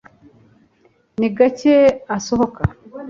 ni gake asohoka